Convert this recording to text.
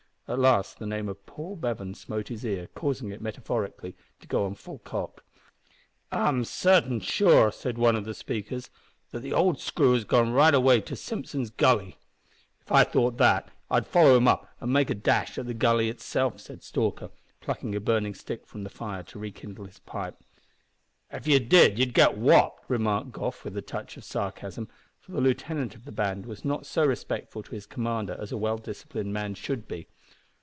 At last the name of Paul Bevan smote his ear, causing it, metaphorically, to go on full cock. "I'm sartin sure," said one of the speakers, "that the old screw has gone right away to Simpson's Gully." "If I thought that, I'd follow him up, and make a dash at the Gully itself," said Stalker, plucking a burning stick from the fire to rekindle his pipe. "If you did you'd get wopped," remarked Goff, with a touch of sarcasm, for the lieutenant of the band was not so respectful to his commander as a well disciplined man should be.